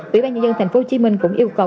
ủy ban nhân dân tp hcm cũng yêu cầu